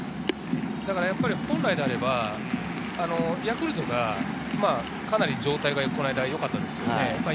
本来であれば、ヤクルトがかなり状態がよかったですよね。